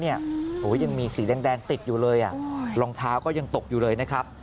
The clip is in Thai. โอ้โหยังมีสีแดงติดอยู่เลยรองเท้าก็ยังตกอยู่เลยนะครับ